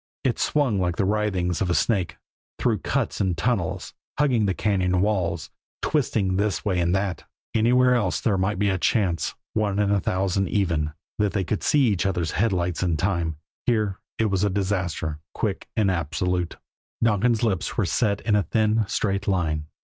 It swung like the writhings of a snake, through cuts and tunnels, hugging the cañon walls, twisting this way and that. Anywhere else there might be a chance, one in a thousand even, that they would see each other's headlights in time here it was disaster quick and absolute. Donkin's lips were set in a thin, straight line.